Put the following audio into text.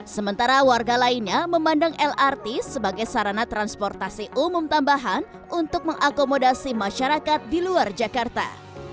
sementara warga lainnya memandang lrt sebagai sarana transportasi umum tambahan untuk mengakomodasi masyarakat di luar jakarta